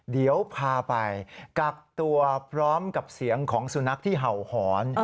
เดี๋ยวพาไปกักตัวพร้อมกับเสียงของสุนัขที่เห่าหอน